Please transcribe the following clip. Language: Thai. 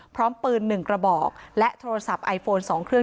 พร้อมปืน๑กระบอกและโทรศัพท์ไอโฟน๒เครื่อง